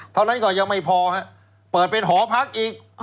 เท่านั้นก็ยังไม่พอฮะเปิดเป็นหอพักอีก